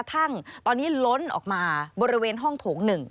สวัสดีค่ะสวัสดีค่ะ